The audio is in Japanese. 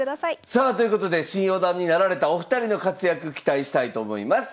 さあということで新四段になられたお二人の活躍期待したいと思います。